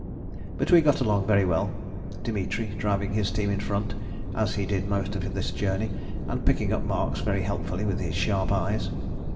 But we got along very well, Dimitri driving his team in front, as he did most of this journey, and picking up marks very helpfully with his sharp eyes.